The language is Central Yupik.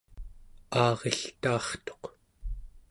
aariltaartuq